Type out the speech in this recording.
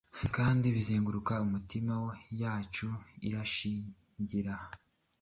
Kandi bizenguruka imitima yacu irashingira